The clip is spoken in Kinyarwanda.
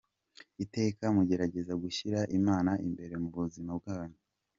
Iteka mugerageze gushyira Imana imbere mu buzima bwanyu.